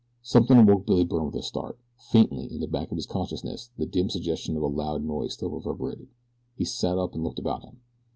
Something awoke Billy Byrne with a start. Faintly, in the back of his consciousness, the dim suggestion of a loud noise still reverberated. He sat up and looked about him.